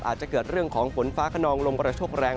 อาจจะเกิดเรื่องของฝนฟ้าขนองลมกระโชคแรง